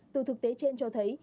từ thực tế trên cho thấy